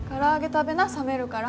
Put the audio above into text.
食べな冷めるから。